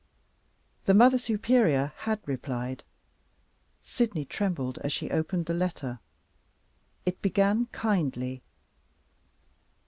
The Mother Superior had replied. Sydney trembled as she opened the letter. It began kindly.